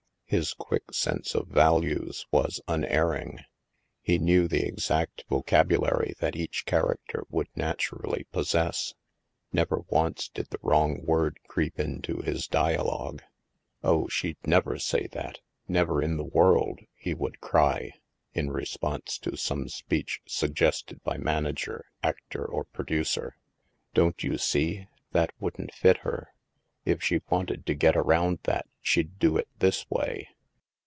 His quick sense of values was unerring. He knew the exact vocabulary that each character would naturally pos sess ; never once did the wrong word creep into his dialogue. " Oh, she'd never say that, — never in the world," he would cry, in response to some speech suggested by manager, actor, or producer. " Don't you see, that wouldn't fit her? If she wanted to get around that, she'd do it this way."